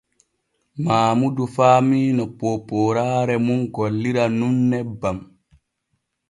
Maamudu faamii no poopooraare mum golliran nun nebban.